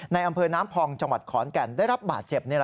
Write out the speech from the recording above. ในอำเภอน้ำพองจังหวัดขอนแก่นได้รับบาดเจ็บ